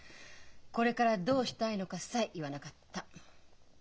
これからどうしたいのかさえ言わなかった。